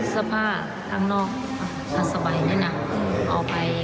สภาพทางนอกอาจจะสบายนี่นะ